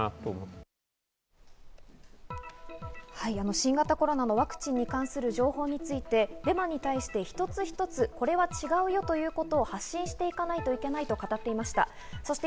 新型コロナのワクチンに関する情報についてデマに対して一つ一つこれは違うよということを発信していかないといけないと語っていました。